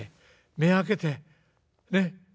目開けてねっ。